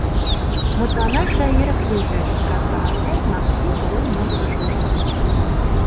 — Мутланашда эрык лийже, — шыпрак каласен, Макси урем могырыш ошкыльо.